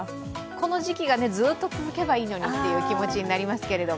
この時期がずっと続けばいいのにという気持ちになりますけど。